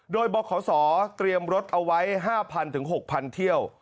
โดยบขศเตรียมรถเอาไว้๕๐๐๖๐๐เที่ยว